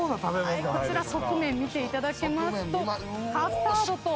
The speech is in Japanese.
こちら側面見ていただきますとカスタードと。